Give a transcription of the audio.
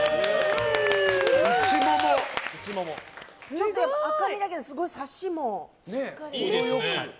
ちょっと赤身だけどすごいサシもしっかり。